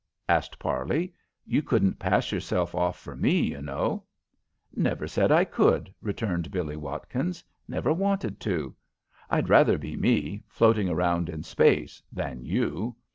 asked Parley. "You couldn't pass yourself off for me, you know." "Never said I could," returned Billie Watkins. "Never wanted to. I'd rather be me, floating around in space, than you.